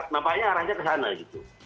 nampaknya arahnya ke sana gitu